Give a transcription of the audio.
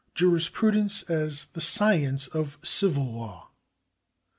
Jurisprudence as the Science of Civil Law.